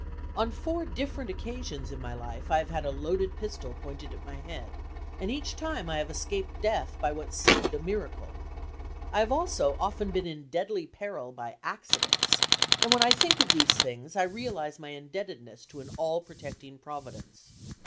On four different occasions in my life I have had a loaded pistol pointed at my head and each time I have escaped death by what seemed a miracle. I have also often been in deadly peril by accidents, and when I think of these things I realize my indebtedness to an all protecting Providence.